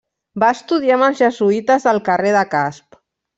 Va estudiar amb els jesuïtes del carrer de Casp.